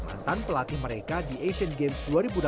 mantan pelatih mereka di asian games dua ribu delapan belas